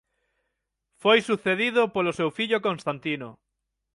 Foi sucedido polo seu fillo Constantino.